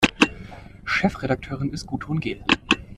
Chefredakteurin ist Gudrun Gehl.